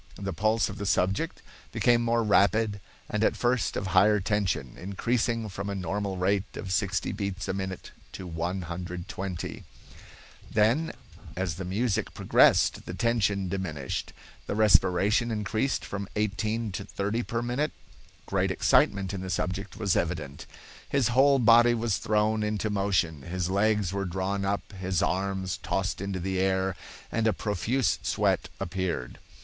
The pulse of the subject became more rapid and at first of higher tension, increasing from a normal rate of 60 beats a minute to 120. Then, as the music progressed, the tension diminished. The respiration increased from 18 to 30 per minute. Great excitement in the subject was evident. His whole body was thrown into motion, his legs were drawn up, his arms tossed into the air, and a profuse sweat appeared.